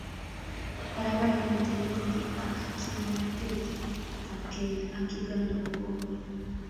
Paraparet neteteke ak kiwatet ab Kenya ak Uganda kokokeker.